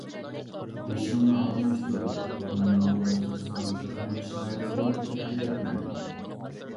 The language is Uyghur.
بېشىڭنى ئالماشتۇر بۇرنۇمنى ئالماشتۇرسام تېخىمۇ چىرايلىق بولۇپ كەتكۈدەكمەن.